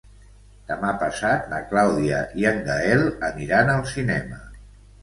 Demà passat na Clàudia i en Gaël aniran al cinema.